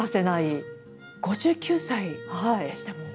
５９歳でしたもんね。